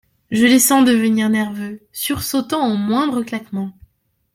Je les sens devenir nerveux, sursautant au moindre claquement.